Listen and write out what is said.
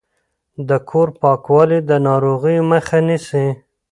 د کور پاکوالی د ناروغیو مخه نیسي۔